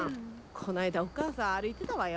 こないだお母さん歩いてたわよ。